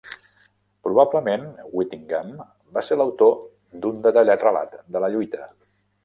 Probablement, Whittingham va ser l'autor d'un detallat relat de la lluita.